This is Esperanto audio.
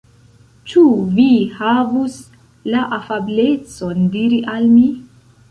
Ĉu vi havus la afablecon diri al mi.